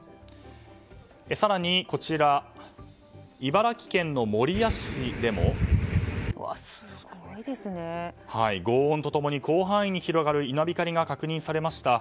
更に、茨城県の守谷市でも轟音と共に広範囲に広がる稲光が確認されました。